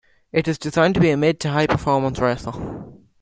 It is designed to be a mid to high performance racer.